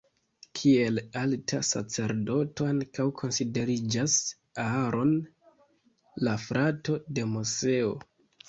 Kiel alta sacerdoto ankaŭ konsideriĝas Aaron, la frato de Moseo.